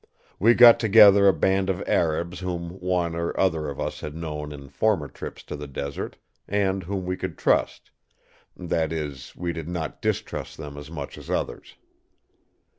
We got together a band of Arabs whom one or other of us had known in former trips to the desert, and whom we could trust; that is, we did not distrust them as much as others.